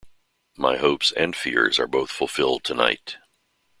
My hopes and fears are both fulfilled tonight.